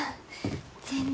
全然。